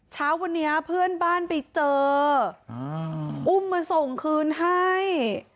เช้าวันนี้เพื่อนบ้านไปเจออุ้มมาส่งคืนให้